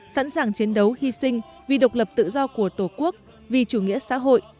sẵn sàng chiến đấu hy sinh vì độc lập tự do của tổ quốc vì chủ nghĩa xã hội